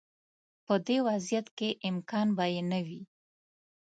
په دې وضعیت کې امکان به یې نه وي.